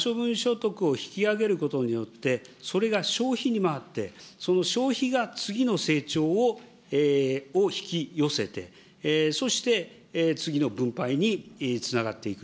可処分所得を引き上げることによって、それが消費に回って、その消費が次の成長を引き寄せて、そして次の分配につながっていく。